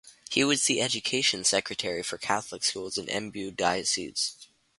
He was the education secretary for Catholic schools in Embu Diocese.